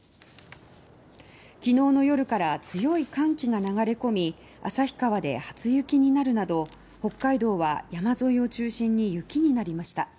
昨日の夜から強い寒気が流れ込み旭川で初雪になるなど北海道は山沿いを中心に雪になりました。